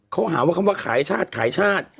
เขาหาว่าคำว่าขายชาติขายชาติ